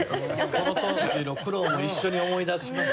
その当時の苦労も一緒に思い出しますよね。